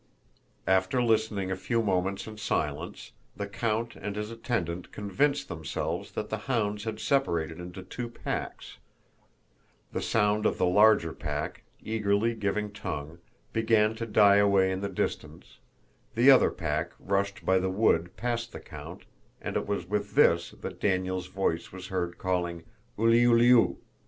After listening a few moments in silence, the count and his attendant convinced themselves that the hounds had separated into two packs: the sound of the larger pack, eagerly giving tongue, began to die away in the distance, the other pack rushed by the wood past the count, and it was with this that Daniel's voice was heard calling ulyulyu.